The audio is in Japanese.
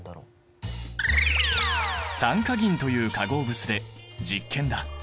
酸化銀という化合物で実験だ！